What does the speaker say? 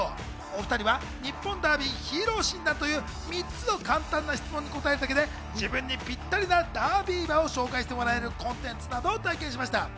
お２人は日本ダービーのＨＥＲＯ診断という３つの簡単な質問に答えるだけで、自分にぴったりなダービー馬を紹介してもらえるコンテンツなどを体験しました。